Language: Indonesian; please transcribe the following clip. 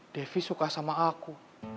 defy suka sama aku